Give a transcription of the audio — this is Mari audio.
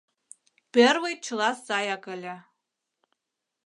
Пӧрвый чыла саяк ыле.